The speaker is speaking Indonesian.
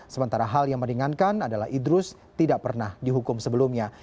sementara hal yang meringankan adalah idrus tidak pernah dihukum sebelumnya